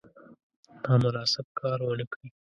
نامناسب کار ونه کړي.